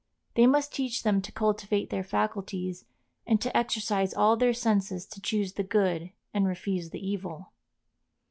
They must teach them to cultivate their faculties, and to exercise all their senses to choose the good and refuse the evil.